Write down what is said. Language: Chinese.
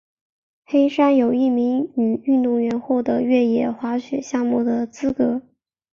黑山有一名女运动员获得越野滑雪项目的资格。